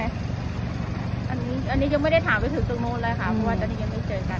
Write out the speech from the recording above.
อันนี้ยังไม่ได้ถามไปถึงตรงนู้นเลยค่ะเพราะว่าตอนนี้ยังไม่เจอกัน